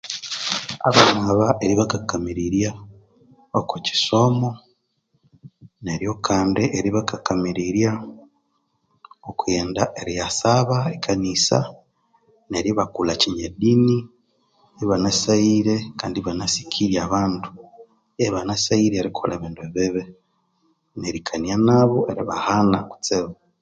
Abana aba eribakamirirya okwa kyisomo neryo kandi eribakakamirirya okwi ghenda eriyasaba okwa kanisa neryo ibakulha kinyadini ibanasaghire kandi ibanasikirye abandu ibanasaghire erikolha ebindu ebibi, nerikanya nabo eribahana kutsibu